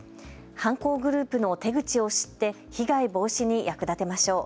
犯行グループの手口を知って被害防止に役立てましょう。